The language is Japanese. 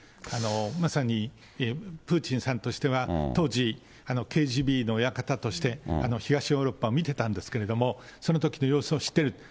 まさに、プーチンさんとしては、当時、ＫＧＢの親方として、東ヨーロッパを見てたんですけれども、そのときの様子を知っている。